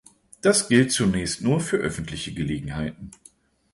Das gilt zunächst nur für öffentliche Gelegenheiten.